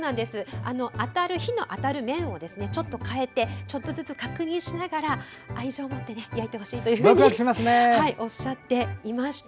火の当たる面をちょっと変えてちょっとずつ確認しながら愛情を持って焼いてほしいとおっしゃっていました。